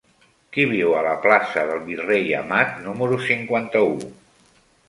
Qui viu a la plaça del Virrei Amat número cinquanta-u?